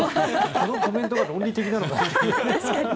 このコメントが論理的なのか。